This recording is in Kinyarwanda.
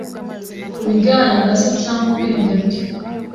Kubijyanye na SeCyangwa ubwenge bwe